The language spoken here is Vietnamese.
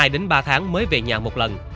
hai đến ba tháng mới về nhà một lần